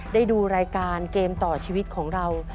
ได้ดูรายการเกมต่อชีวิตของเรา